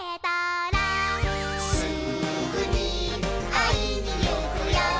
「すぐにあいにいくよ」